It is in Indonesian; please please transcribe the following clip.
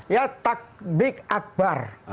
ya takbik akbar